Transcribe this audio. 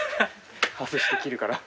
外して切るから。